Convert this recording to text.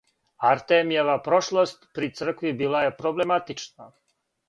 Артемијева прошлост при цркви била је проблематична.